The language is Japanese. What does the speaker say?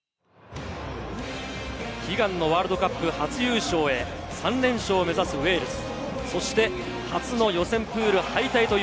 悲願のワールドカップ初優勝へ、３連勝を目指すウェールズ。